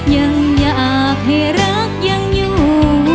ยังอยากให้รักยังอยู่